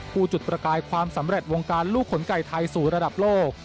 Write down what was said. จุดประกายความสำเร็จวงการลูกขนไก่ไทยสู่ระดับโลก